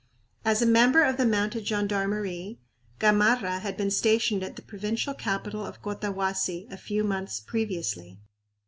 As a member of the mounted gendarmerie, Gamarra had been stationed at the provincial capital of Cotahuasi a few months previously.